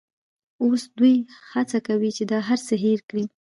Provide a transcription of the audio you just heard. اوس دوی هڅه کوي چې دا هرڅه هېر کړي.